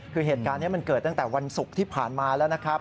คือเหตุการณ์นี้มันเกิดตั้งแต่วันศุกร์ที่ผ่านมาแล้วนะครับ